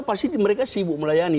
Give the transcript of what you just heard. pasti mereka sibuk melayani